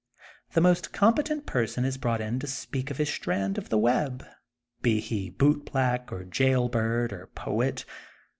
The most competent person is brought in to speak of his strand of the web, be he bootblack or jailbird or poet.